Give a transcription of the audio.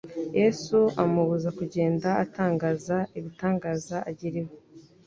Yesu amubuza kugenda atangaza igitangaza agiriwe,